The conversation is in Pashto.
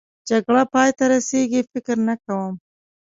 جګړه پای ته رسېږي؟ فکر نه کوم.